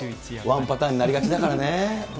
ワンパターンになりがちだからね。